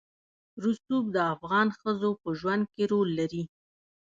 رسوب د افغان ښځو په ژوند کې رول لري.